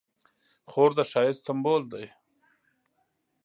خور د ښایست سمبول ده.